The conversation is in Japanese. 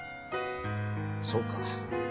そうか。